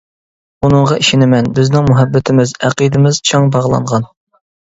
ئۇنىڭغا ئىشىنىمەن، بىزنىڭ مۇھەببىتىمىز، ئەقىدىمىز چىڭ باغلانغان.